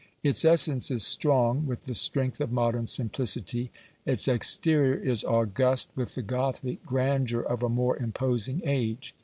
Its essence is strong with the strength of modern simplicity; its exterior is august with the Gothic grandeur of a more imposing age.